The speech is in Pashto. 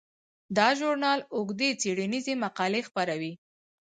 دا ژورنال اوږدې څیړنیزې مقالې خپروي.